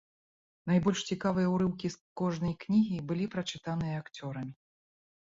Найбольш цікавыя ўрыўкі з кожнай кнігі былі прачытаныя акцёрамі.